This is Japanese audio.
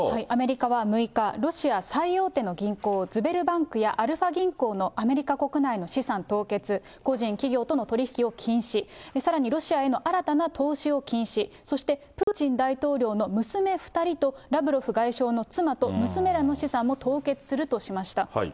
アメリカは６日、ロシア最大手の銀行、ズベルバンクや、アルファ銀行のアメリカ国内の資産凍結、個人・企業との取り引きを禁止、さらにロシアへの新たな投資を禁止、そして、プーチン大統領の娘２人と、ラブロフ外相の妻と娘らの資産も凍結するとしました。